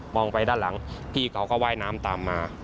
องไปด้านหลังพี่เขาก็ว่ายน้ำตามมา